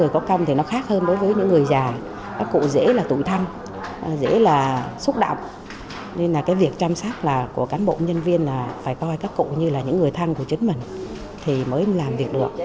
các cụ dễ là tuổi thanh dễ là xúc động nên việc chăm sóc của cán bộ nhân viên phải coi các cụ như là những người thanh của chính mình thì mới làm việc được